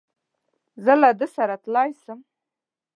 زه له ده سره تللای سم؟